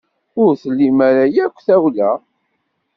Ur tlim ara akk tawla.